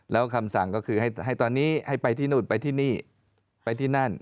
แล้วคำสั่งก็คือให้ตอนนี้ให้ไปที่นู่นไปที่นี่ไปที่นั่น